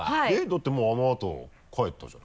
だってもうあのあと帰ったじゃない。